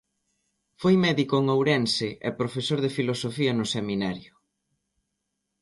Foi médico en Ourense e profesor de Filosofía no Seminario.